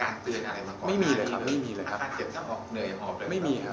หลังจากดูหนังเสร็จตอนนั้นคุณพ่อยังเดินเหินอะไรปกติไหมครับ